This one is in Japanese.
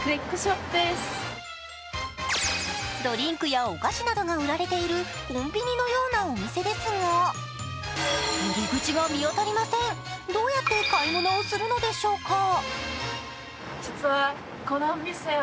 ドリンクやお菓子などが売られているコンビニのようなお店ですが入り口が見当たりません、どうやって買い物をするのでしょうか。